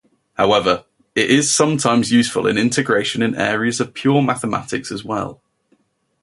However, it is sometimes useful in integration in areas of pure mathematics as well.